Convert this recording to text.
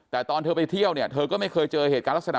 แต่ตอนเธอไปเที่ยวเนี่ยเธอก็ไม่เคยเจอเหตุการณ์ลักษณะ